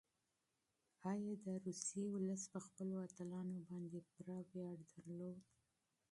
ایا د روسیې ملت په خپلو اتلانو باندې پوره ویاړ درلود؟